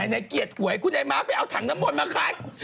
ในเกียรติหวยคุณไอมาบไปเอาถังบนมาคัด